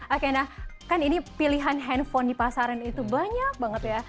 oke nah kan ini pilihan handphone di pasaran itu banyak banget ya